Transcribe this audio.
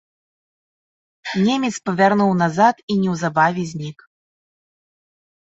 Немец павярнуў назад і неўзабаве знік.